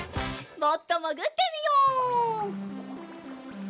もっともぐってみよう。